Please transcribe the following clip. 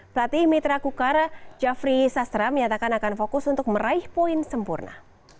pelatih mitra kukar jafri sastra menyatakan akan fokus untuk meraih poin sempurna